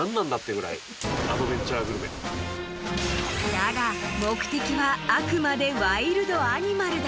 ［だが目的はあくまでワイルドアニマルだ］